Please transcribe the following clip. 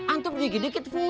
antum dikit dikit fuluhnya